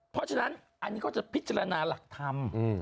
เพราะฉะนั้นอันนี้ก็จะพิจารณาหลักธรรม